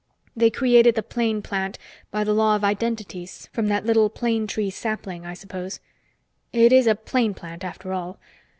They created the plane plant by the law of identities from that little plane tree sapling, I suppose; it is a plane plant, after all.